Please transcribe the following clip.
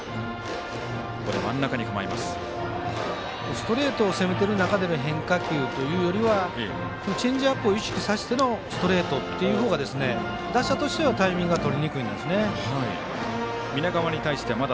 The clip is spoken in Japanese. ストレートを攻めてる中での変化球というよりはチェンジアップを意識させてのストレートという方が打者としてはタイミングが取りにくいんですね。